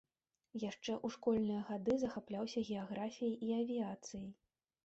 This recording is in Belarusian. Яшчэ ў школьныя гады захапляўся геаграфіяй і авіяцыяй.